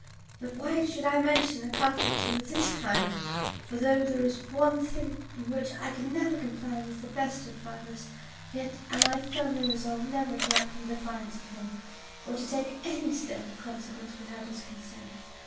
But why should I mention a comfort to you of this kind; for though there is one thing in which I can never comply with the best of fathers, yet am I firmly resolved never to act in defiance of him, or to take any step of consequence without his consent.